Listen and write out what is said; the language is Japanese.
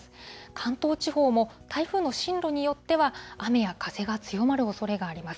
関東地方も台風の進路によっては、雨や風が強まるおそれがあります。